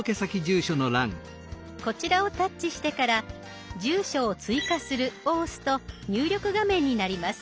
こちらをタッチしてから「住所を追加する」を押すと入力画面になります。